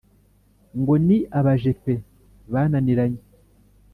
Ngo ni abajepe bananiranye.